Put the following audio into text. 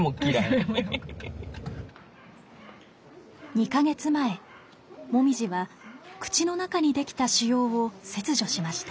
２か月前もみじは口の中にできた腫瘍を切除しました。